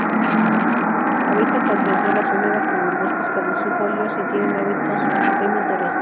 Habitan tanto en selvas húmedas como en bosques caducifolios y tienen hábitos semi-terrestres.